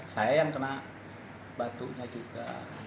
saya yang kena batunya juga